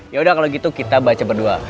yaudah kalau gitu kita baca berdua